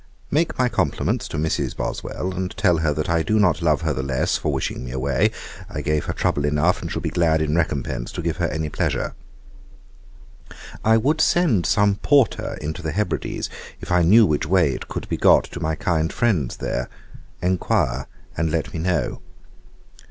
'Make my compliments to Mrs. Boswell, and tell her that I do not love her the less for wishing me away. I gave her trouble enough, and shall be glad, in recompense, to give her any pleasure. 'I would send some porter into the Hebrides, if I knew which way it could be got to my kind friends there. Enquire, and let me know.